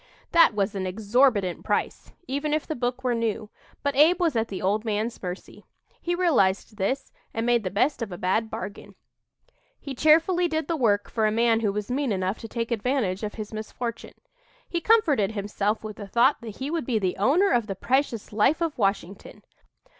That was an exorbitant price, even if the book were new, but Abe was at the old man's mercy. He realized this, and made the best of a bad bargain. He cheerfully did the work for a man who was mean enough to take advantage of his misfortune. He comforted himself with the thought that he would be the owner of the precious "Life of Washington."